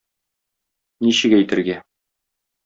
Ничек әйтергә?